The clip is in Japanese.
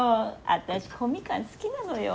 私小みかん好きなのよ。